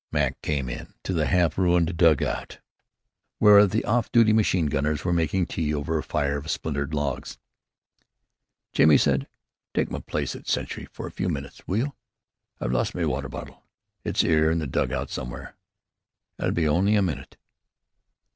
Mac came into the half ruined dugout where the off duty machine gunners were making tea over a fire of splintered logs. "Jamie," he said, "take my place at sentry for a few minutes, will you? I've lost my water bottle. It's 'ere in the dugout somew'ere. I'll be only a minute."